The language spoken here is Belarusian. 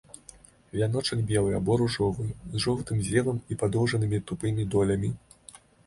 Вяночак белы або ружовы, з жоўтым зевам і падоўжанымі тупымі долямі.